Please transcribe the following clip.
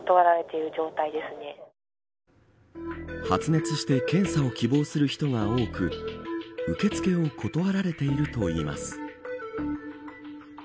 発熱して検査を希望する人が多く受け付けを断られているといいます。